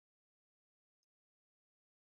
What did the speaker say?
فرګوسن وویل، دا یوه فریبناکه او نفرت لرونکې لوبه ده.